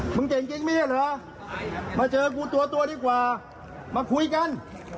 มึงเจ๋งจริงไม่เหรอมาเจอกูตัวดีกว่ามาคุยกัน